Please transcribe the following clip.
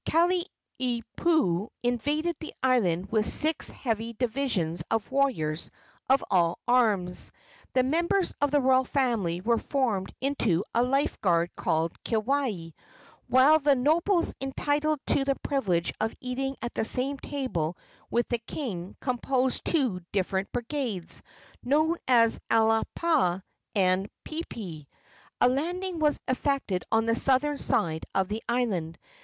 Kalaniopuu invaded the island with six heavy divisions of warriors of all arms. The members of the royal family were formed into a life guard called Keawe, while the nobles entitled to the privilege of eating at the same table with the king composed two distinct brigades, known as Alapa and Piipii. A landing was effected on the southern side of the island.